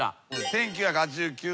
１９８９年。